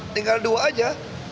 tinggal dua aja